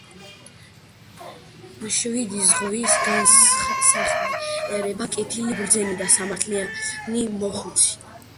მშვიდი ზღვის განსახიერება, კეთილი, ბრძენი და სამართლიანი მოხუცი.